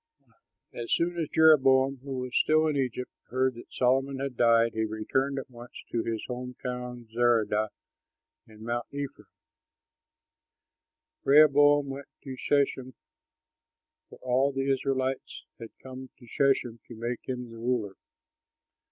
As soon as Jeroboam, who was still in Egypt, heard that Solomon had died, he returned at once to his home town, Zeredah in Mount Ephraim. Rehoboam went to Shechem, for all the Israelites had come to Shechem to make him ruler.